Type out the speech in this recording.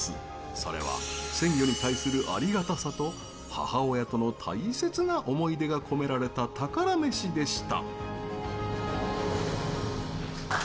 それは、鮮魚に対するありがたさと母親との大切な思い出が込められた宝メシでした。